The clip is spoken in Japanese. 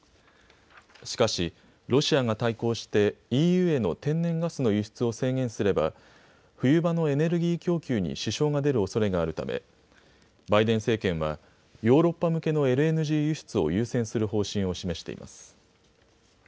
しかし、ロシアが対抗してＥＵへの天然ガスの輸出を制限すれば冬場のエネルギー供給に支障が出るおそれがあるためバイデン政権はヨーロッパ向けのＬＮＧ輸出を優先する方針を示しています。